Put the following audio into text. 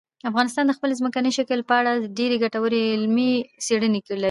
افغانستان د خپل ځمکني شکل په اړه ډېرې ګټورې علمي څېړنې لري.